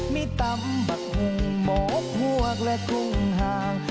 มีตั้มบักฮุงโหมกหวกและกุ้งหาง